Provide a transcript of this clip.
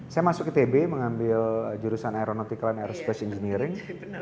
saya masuk ke itb mengambil jurusan aeronautical and aerospace engineering